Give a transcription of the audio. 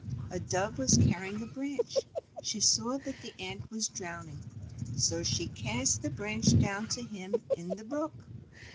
A Dove was carrying a branch ; she saw the Ant was drown ing, so she cast the branch down to him in the brook.